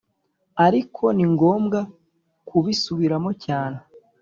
ariko ni ngombwa kubisubiramo cyane .